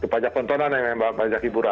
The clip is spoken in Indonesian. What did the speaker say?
pajak pontonan yang pajak hiburan